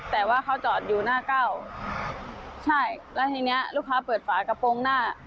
แต่ว่าเขาจอดอยู่หน้าเก้าใช่แล้วทีเนี้ยลูกค้าเปิดฝากระโปรงหน้า